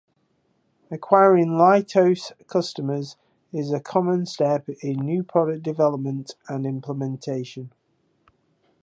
Acquiring lighthouse customers is a common step in new product development and implementation.